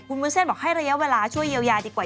วุ้นเส้นบอกให้ระยะเวลาช่วยเยียวยาดีกว่า